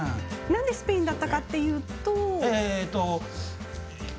なんでスペインだったかというと？